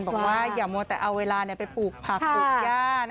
บอกว่าอย่ามัวแต่เอาเวลาไปปลูกผักปลูกย่า